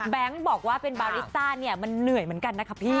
บอกว่าเป็นบาริซ่าเนี่ยมันเหนื่อยเหมือนกันนะคะพี่